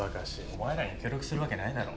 お前らに協力するわけないだろ。